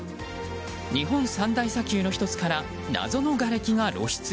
日本三大砂丘の１つから謎のがれきが露出。